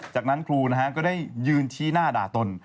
จากนั้นครูก็ได้ยืนชี้หน้าด่าตน